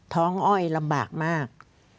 ท้องอ้อยลำบากมาก